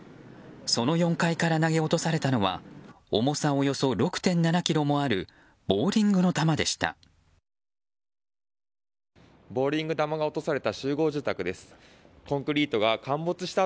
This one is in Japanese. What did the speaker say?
その４階から投げ落とされたのは重さおよそ６．７ｋｇもあるボウリングの球でした。